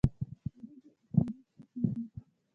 وریجې په کندز کې کیږي